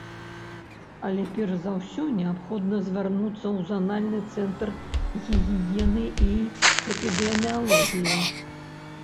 Але перш за ўсё неабходна звярнуцца ў занальны цэнтр гігіены і эпідэміялогіі.